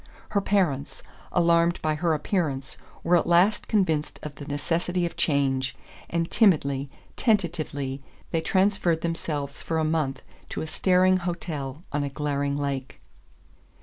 Her parents, alarmed by her appearance, were at last convinced of the necessity of change, and timidly, tentatively, they transferred themselves for a month to a staring hotel on a glaring lake.